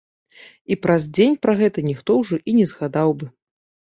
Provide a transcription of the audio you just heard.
І праз дзень пра гэта ніхто ўжо і не згадаў бы.